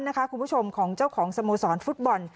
นะคะคุณผู้ชมของเจ้าของสหสมศฟุฟุตบอล